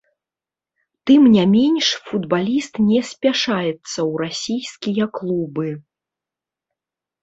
Тым не менш футбаліст не спяшаецца ў расійскія клубы.